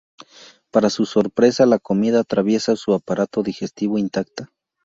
Para su sorpresa, la comida atraviesa su aparato digestivo intacta.